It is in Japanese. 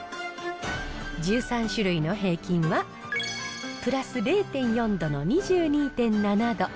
１３種類の平均はプラス０．４度の２２．７度。